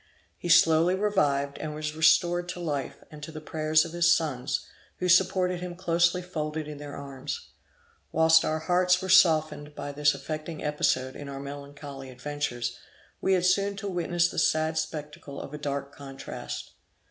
He slowly revived, and was restored to life, and to the prayers of his sons, who supported him closely folded in their arms. Whilst our hearts were softened by this affecting episode in our melancholy adventures, we had soon to witness the sad spectacle of a dark contrast.